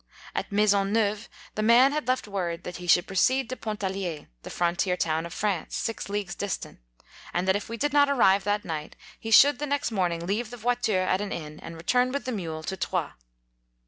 At Maison Neuve the man had left word that he should proceed to Pon 37 talier, the frontier town of France, six leagues distant, and that if we did not arrive that night, he should the next morning leave the voiture at an inn, and return with the mule to Troyes.